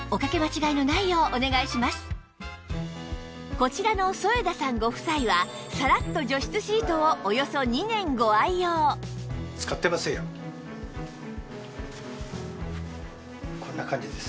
こちらの添田さんご夫妻はサラッと除湿シートをおよそ２年ご愛用こんな感じです。